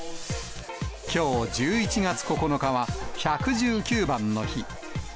きょう１１月９日は、１１９番の日。